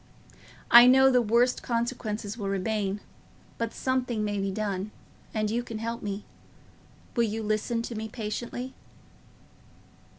I know the worst consequences will remain; but something may be done, and you can help me. Will you listen to me patiently?"